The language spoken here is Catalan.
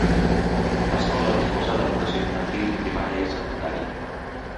L'escola disposa d'Educació infantil, primària i secundària.